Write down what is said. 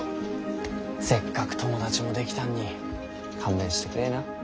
せっかく友達もできたんに勘弁してくれいな。